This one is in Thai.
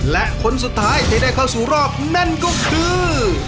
และคนสุดท้ายที่ได้เข้าสู่รอบนั่นก็คือ